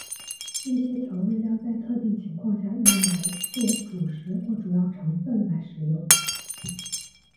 一些调味料在特定情况下用来作主食或主要成分来食用。